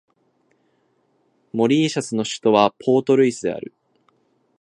モーリシャスの首都はポートルイスである